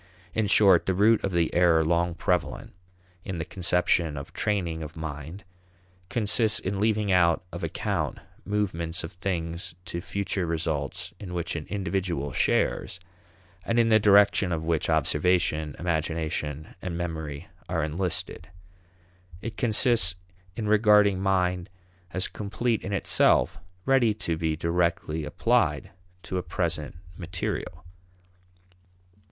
In short, the root of the error long prevalent in the conception of training of mind consists in leaving out of account movements of things to future results in which an individual shares, and in the direction of which observation, imagination, and memory are enlisted. It consists in regarding mind as complete in itself, ready to be directly applied to a present material.